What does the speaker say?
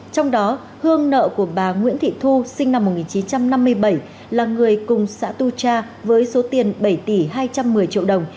trong đó hương nợ của bà nguyễn thị thu sinh năm một nghìn chín trăm năm mươi bảy là người cùng xã tu cha với số tiền bảy tỷ hai trăm một mươi triệu đồng